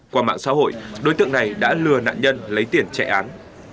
qua mạng xã hội đối tượng này đã lừa nạn nhân lấy tiền trẻ án